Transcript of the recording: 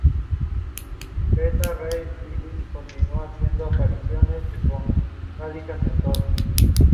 The two plantations would rapidly change ownership.